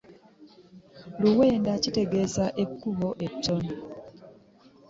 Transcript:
Luwenda kitegeeza ekkubo ettono .